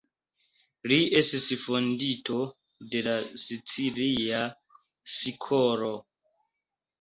Li estis fondinto de la Sicilia Skolo.